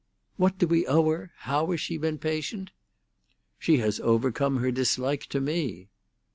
"What do we owe her? How has she been patient?" "She has overcome her dislike to me."